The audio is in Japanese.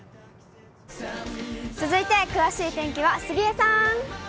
続いて詳しい天気は杉江さん。